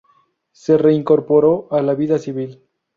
Se reincorporó a la vida civil.